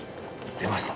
出ました。